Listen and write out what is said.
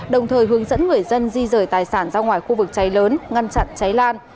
đồng thời hướng dẫn người dân di rời tài sản ra ngoài khu vực cháy lớn ngăn chặn cháy lan